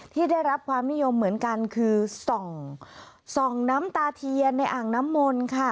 ที่ได้รับความนิยมเหมือนกันคือส่องน้ำตาเทียนในอ่างน้ำมนต์ค่ะ